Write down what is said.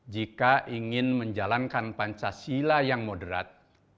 jika ingin menjalankan pancasila yang moderat